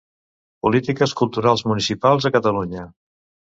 Polítiques Culturals Municipals a Catalunya.